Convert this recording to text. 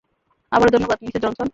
আবারো ধন্যবাদ, Mrs Johnson.